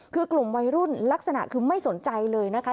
คือกลุ่มวัยรุ่นลักษณะคือไม่สนใจเลยนะคะ